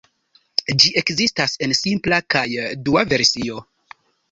Ĝi ekzistas en simpla kaj dua versio.